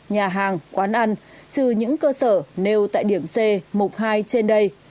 nhà hàng quán ăn trừ những cơ sở nêu tại điểm c mục hai trên đây